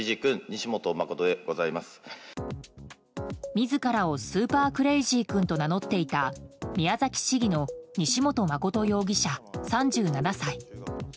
自らをスーパークレイジー君と名乗っていた宮崎市議の西本誠容疑者、３７歳。